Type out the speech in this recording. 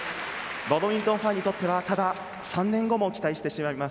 バドミントンファンにとってはただ３年後も期待してしまいます。